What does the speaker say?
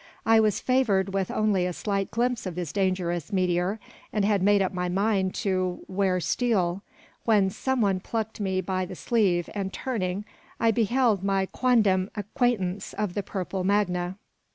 I was favoured with only a slight glimpse of this dangerous meteor, and had made up my mind to "'ware steel," when someone plucked me by the sleeve, and turning, I beheld my quondam acquaintance of the purple magna.